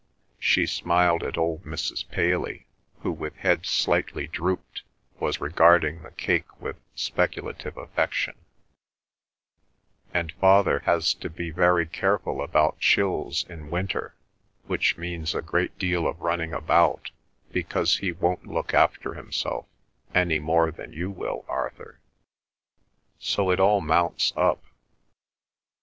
(she smiled at old Mrs. Paley, who with head slightly drooped was regarding the cake with speculative affection), "and father has to be very careful about chills in winter which means a great deal of running about, because he won't look after himself, any more than you will, Arthur! So it all mounts up!"